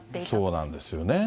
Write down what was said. そうなんですよね。